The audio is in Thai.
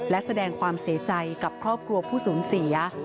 และแสดงความเสียใจกับครอบครัวผู้สูญเสีย